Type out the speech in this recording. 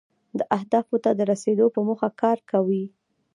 دا اهدافو ته د رسیدو په موخه کار کوي.